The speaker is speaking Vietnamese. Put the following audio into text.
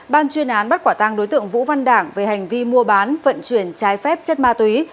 ban chuyên án bắt quả tăng đối tượng vũ văn đảng về hành vi mua bán vận chuyển trái phép chất ma túy